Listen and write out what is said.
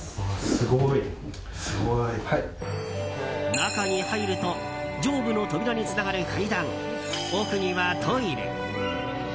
中に入ると上部の扉につながる階段奥にはトイレ。